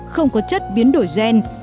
không có chất biến đổi gen